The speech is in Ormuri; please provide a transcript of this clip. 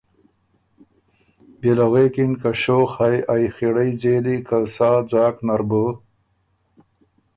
بيې له غوېکِن که شوخ هئ ائ خِړئ ځېلي که سا ځاک نر بُو